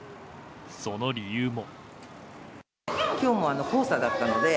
その理由も。